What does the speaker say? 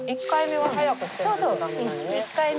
１回目は早く。